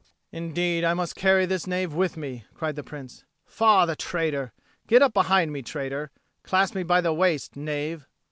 "Indeed I must carry this knave with me!" cried the Prince. "Faugh, the traitor! Get up behind me, traitor! Clasp me by the waist, knave!